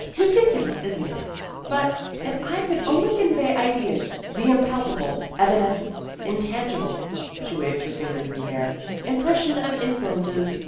" Ridiculous, is n't it ? But if I could only convey ideas, 'the impalpable, evanescent, intangible " she waved her fingers in the air " impression of in fluences.